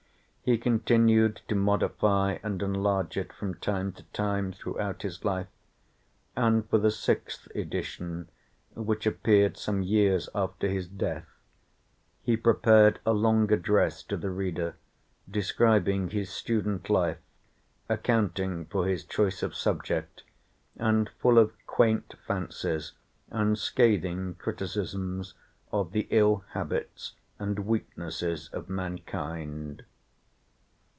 He continued to modify and enlarge it from time to time throughout his life; and for the sixth edition, which appeared some years after his death, he prepared a long address to the reader, describing his student life, accounting for his choice of subject, and full of quaint fancies and scathing criticisms of the ill habits and weaknesses of mankind.